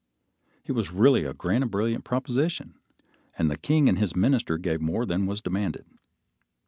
It was really a grand and brilliant proposition, and the king and his minister gave more than was demanded.